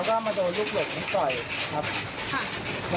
ก็แค่มีเรื่องเดียวให้มันพอแค่นี้เถอะ